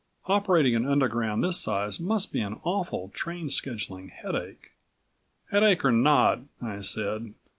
Operating an Underground this size must be an awful train scheduling headache." "Headache or not," I said.